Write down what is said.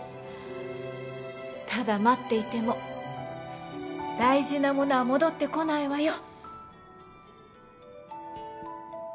ただ待っていても大事なものは戻ってこないわよ。